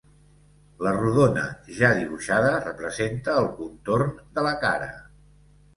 La rodona ja dibuixada representa el contorn de la cara.